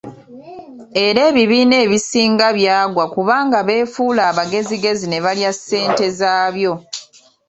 Era ebibiina ebisinga byagwa kubanga beefuula abagezigezi ne balya ssente zaabyo.